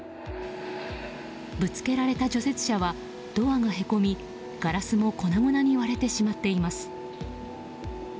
ぶつけられた除雪車はドアがへこみガラスも粉々に割れてしまっています。